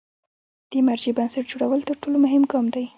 د مرجع بنسټ جوړول تر ټولو مهم ګام دی.